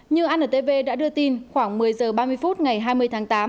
như antv đã đưa tin khoảng một mươi h ba mươi phút ngày hai mươi tháng tám